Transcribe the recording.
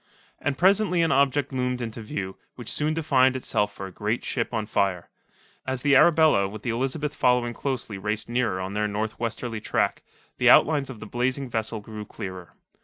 And presently an object loomed into view, which soon defined itself for a great ship on fire. As the Arabella with the Elizabeth following closely raced nearer on their north westerly tack, the outlines of the blazing vessel grew clearer.